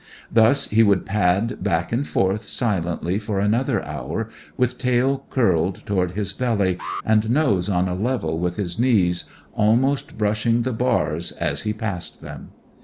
Thus he would pad back and forth silently for another hour, with tail curled toward his belly and nose on a level with his knees, almost brushing the bars as he passed them.